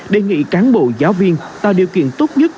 đề nghị cán bộ giáo viên tạo điều kiện tốt nhất